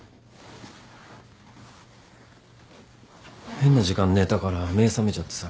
変な時間に寝たから目覚めちゃってさ。